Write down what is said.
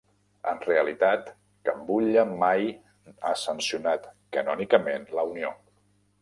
En realitat cap butlla mai ha sancionat canònicament la unió.